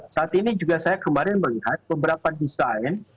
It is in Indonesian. saat ini juga saya kemarin melihat beberapa desain